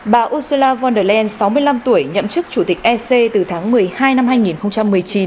bà ursula von der leyen sáu mươi năm tuổi nhậm chức chủ tịch ec từ tháng một mươi hai năm hai nghìn một mươi chín